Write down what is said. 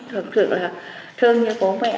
thật sự là thương như bố mẹ